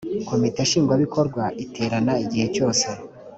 komite nshingwabikorwa iterana igihe cyose